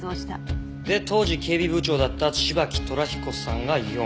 で当時警備部長だった芝木寅彦さんが４。